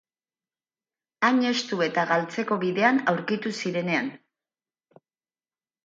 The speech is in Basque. Hain estu eta galtzeko bidean aurkitu zirenean.